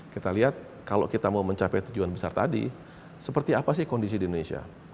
kita lihat kalau kita mau mencapai tujuan besar tadi seperti apa sih kondisi di indonesia